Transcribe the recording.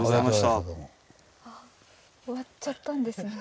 ああ終わっちゃったんですね。